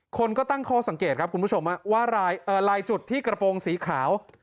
คนก็ตั้งข้อสังเกตครับคุณผู้ชมว่าลายจุดที่กระโปรงสีขาว